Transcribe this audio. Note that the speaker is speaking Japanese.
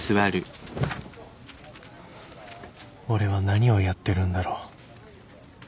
俺は何をやってるんだろう